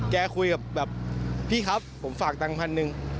แกคุยกับแบบพี่ครับผมฝากตังค์พันหนึ่ง